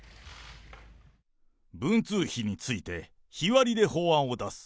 文通費について、日割りで法案を出す。